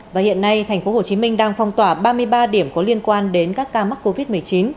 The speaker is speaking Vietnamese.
và hiện nay thành phố hồ chí minh đang phong tỏa ba mươi ba điểm có liên quan đến các ca mắc covid một mươi chín